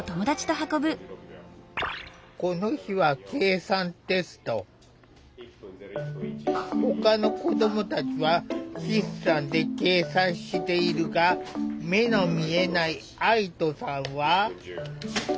この日はほかの子どもたちは筆算で計算しているが目の見えない愛土さんは。